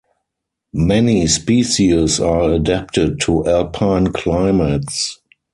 Many species are adapted to alpine climates.